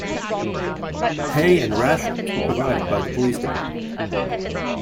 Pay and rations were provided by the police department.